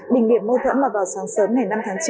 đình điểm mô thẫn mà vào sáng sớm ngày năm tháng chín